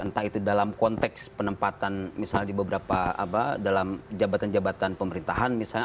entah itu dalam konteks penempatan misalnya di beberapa dalam jabatan jabatan pemerintahan misalnya